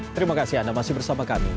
terima kasih anda masih bersama kami